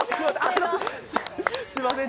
すいません